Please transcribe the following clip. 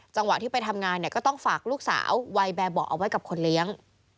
จังหวะที่ไปทำงานเนี่ยก็ต้องฝากลูกสาววัยแบบเบาะเอาไว้กับคนเลี้ยง